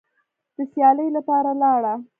د سیالۍ لپاره لاړه